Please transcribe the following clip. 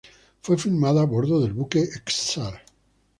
Fue filmada a bordo del buque Ksar.